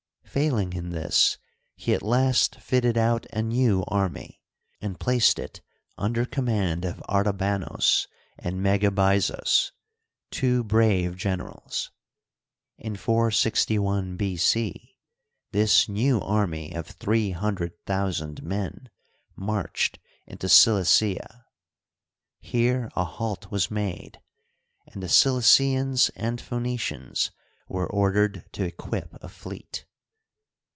Failing in this, he at last fitted out a new army, and placed it under com mand of Artabanos and Megabyzos, two brave generals. In 461 B. c. this new army of three hundred thousand men marched into Cilicia. Here a halt was made, and the Cilicians and Phoenicians were ordered to equip a fleet.